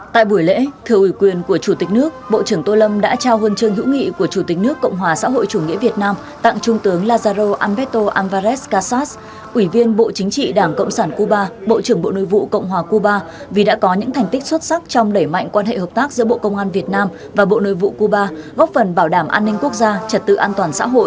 tại buổi lễ theo ủy quyền của chủ tịch nước bộ trưởng tôn lâm đã trao hương trường hữu nghị của chủ tịch nước cộng hòa xã hội chủ nghĩa việt nam tặng trung tướng lazaro alberto álvarez casas ủy viên bộ chính trị đảng cộng sản cuba bộ trưởng bộ nội vụ cộng hòa cuba vì đã có những thành tích xuất sắc trong đẩy mạnh quan hệ hợp tác giữa bộ công an việt nam và bộ nội vụ cuba góp phần bảo đảm an ninh quốc gia trật tự an toàn xã hội